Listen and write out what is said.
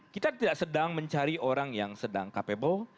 kita tidak sedang mencari orang yang sedang capable